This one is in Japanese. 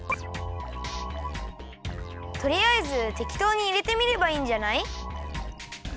とりあえずてきとうにいれてみればいいんじゃない？